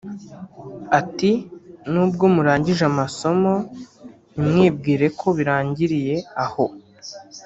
Ati” Nubwo murangije amasomo ntimwibwire ko birangiriye aho